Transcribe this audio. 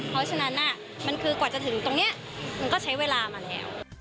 เพราะฉะนั้นมันคือกว่าจะถึงตรงนี้มันก็ใช้เวลามาแล้ว